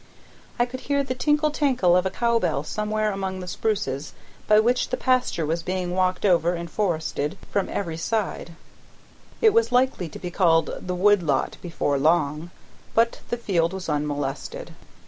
I could hear the tinkle tankle of a cow bell somewhere among the spruces by which the pasture was being walked over and forested from every side; it was likely to be called the wood lot before long, but the field was unmolested.